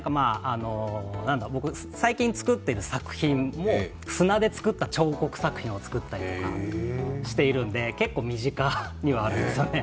僕、最近作っている作品も砂で作った彫刻作品を作ったりしているんで結構、身近にはあるんですよね。